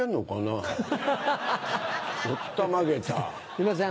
すいません